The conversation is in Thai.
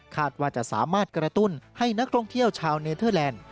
ว่าจะสามารถกระตุ้นให้นักท่องเที่ยวชาวเนเทอร์แลนด์